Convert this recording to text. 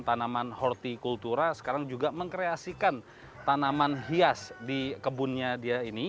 tanaman hortikultura sekarang juga mengkreasikan tanaman hias di kebunnya dia ini